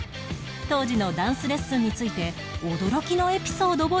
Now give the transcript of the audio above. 当時のダンスレッスンについて驚きのエピソードを披露